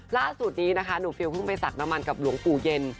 ล่าสุดนี้นะคะหนุ่มฟิลเพิ่งไปสักน้ำมันกับหลวงปู่เย็น